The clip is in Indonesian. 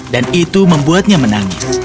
dan itu membuatnya menangis